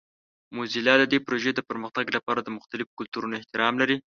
موزیلا د دې پروژې د پرمختګ لپاره د مختلفو کلتورونو احترام لري.